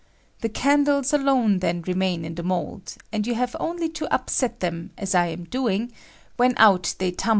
The candles alone then remain in the mould, and you have only to lapset them, aa I am doing, when out they tum 16 WAX CANDLES.